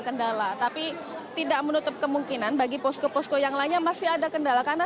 kendala tapi tidak menutup kemungkinan bagi posko posko yang lainnya masih ada kendala karena